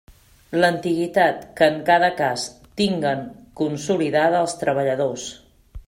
L'antiguitat que en cada cas tinguen consolidada els treballadors.